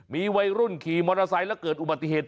มีวัยรุ่นขี่มอเตอร์ไซค์แล้วเกิดอุบัติเหตุ